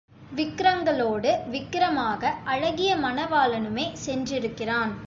விக்கிரகங்களோடு விக்கிரமாக அழகிய மணவாளனுமே சென்றிருக்கிறான்.